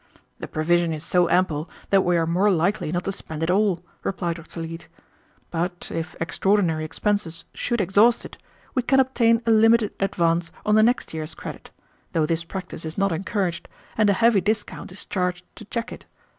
"The provision is so ample that we are more likely not to spend it all," replied Dr. Leete. "But if extraordinary expenses should exhaust it, we can obtain a limited advance on the next year's credit, though this practice is not encouraged, and a heavy discount is charged to check it.